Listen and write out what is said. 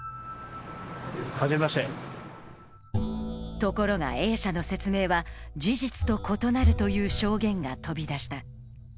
ところがＡ社の説明は事実と異なるという証言が飛び出した。